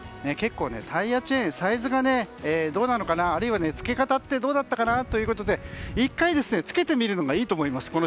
結構、タイヤチェーンサイズがどうなのかなあるいは、つけ方ってどうだったかなということで１回、つけてみるのがいいと思います。